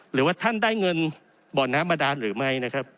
หรือว่าท่านได้เงินบ่อน้ำบาดานหรือไม่นะครับ